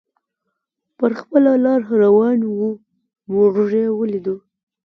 پر خپله لار روان و، موږ یې ولیدو.